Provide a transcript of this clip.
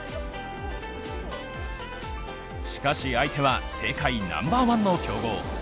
しかし、相手は世界ナンバーワンの強豪。